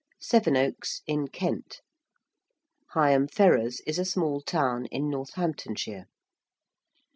~Sevenoaks~, in Kent. ~Higham Ferrers~ is a small town in Northamptonshire.